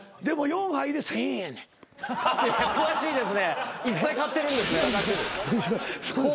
うれしいですね。